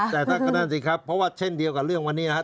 แต่ก็นั่นสิครับเพราะว่าเช่นเดียวกับเรื่องวันนี้นะครับ